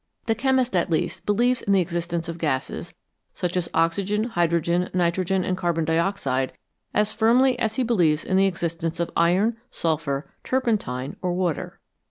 The chemist, at least, believes in the existence of gases such as oxygen, hydrogen, nitrogen, and carbon dioxide as firmly as he believes in the existence of iron, sulphur, turpentine, or water.